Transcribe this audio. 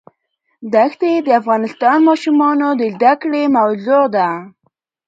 دښتې د افغان ماشومانو د زده کړې موضوع ده.